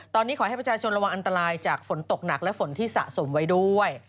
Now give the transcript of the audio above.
ตอนนี้ขอให้ประชาชนระวังอันตรายจากฝนตกหนักและฝนที่สะสมไว้ด้วย